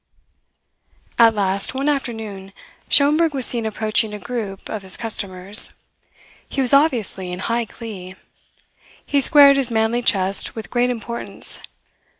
At last, one afternoon, Schomberg was seen approaching a group of his customers. He was obviously in high glee. He squared his manly chest with great importance.